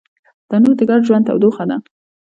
تنور د ګډ ژوند تودوخه ده